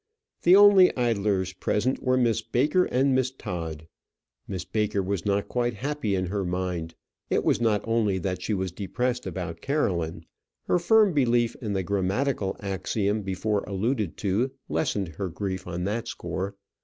The only idlers present were Miss Baker and Miss Todd. Miss Baker was not quite happy in her mind. It was not only that she was depressed about Caroline: her firm belief in the grammatical axiom before alluded to lessened her grief on that score.